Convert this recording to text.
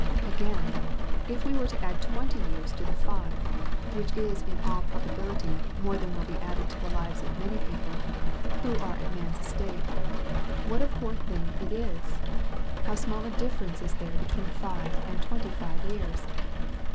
Again, if we were to add twenty years to the five, which is in all probability more than will be added to the lives of many people who are at man's estate, what a poor thing is this! how small a difference is there between five and twenty five years